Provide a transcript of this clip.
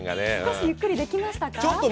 少しゆっくりできましたか？